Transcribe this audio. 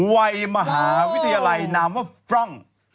ไวมหาวิทยาลัยนางเขาฟร่อง